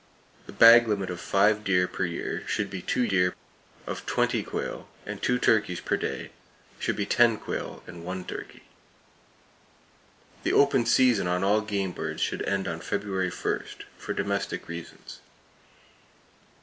The bag limit of five deer per year should be two deer; of twenty quail, and two turkeys per day should be ten quail and one turkey. The open season on all game birds should end on February 1, for domestic reasons.